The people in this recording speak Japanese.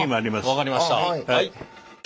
分かりました。